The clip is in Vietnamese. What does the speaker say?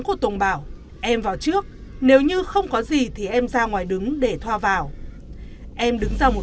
của tùng bảo em vào trước nếu như không có gì thì em ra ngoài đứng để thoa vào em đứng ra một